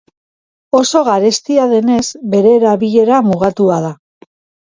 Oso garestia denez, bere erabilera mugatua da.